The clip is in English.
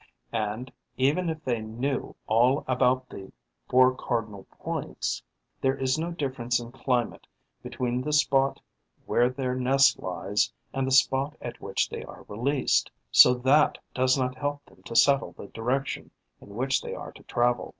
And, even if they knew all about the four cardinal points, there is no difference in climate between the spot where their nest lies and the spot at which they are released; so that does not help them to settle the direction in which they are to travel.